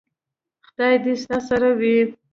خدای دې ستا سره وي .